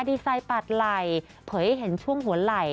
ดีซัยบัดใหล่เผื่อให้เห็นช่วงหัวไหล่